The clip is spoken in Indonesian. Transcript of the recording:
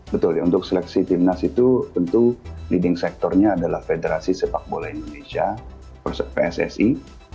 betul untuk seleksi timnas itu tentu leading sectornya adalah federasi sepak bola indonesia pssi